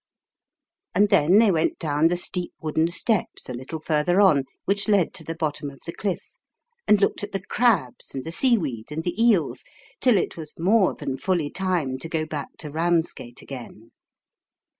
And then they went down the steep wooden steps a little further on, which led to the bottom of the cliff; and looked at the crabs, and the seaweed, and the eels, till it was more than fully time to go back to Eamsgate again.